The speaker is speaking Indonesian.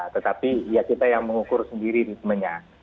tetapi ya kita yang mengukur sendiri ritmenya